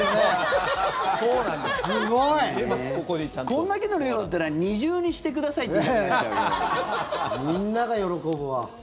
これだけの量だったら二重にしてくださいってみんなが喜ぶわ。